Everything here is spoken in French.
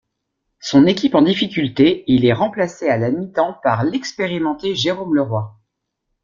Son équipe en difficulté, il est remplacé à la mi-temps par l'expérimenté Jérôme Leroy.